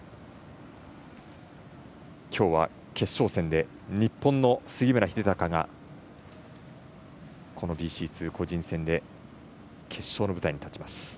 今日は決勝戦で日本の杉村英孝がこのＢＣ２個人戦で決勝の舞台に立ちます。